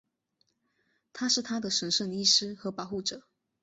他是她的神圣医师和保护者。